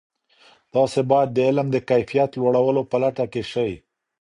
تاسې باید د علم د کیفیت لوړولو په لټه کې سئ.